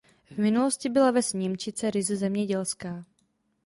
V minulosti byla ves Němčice ryze zemědělská.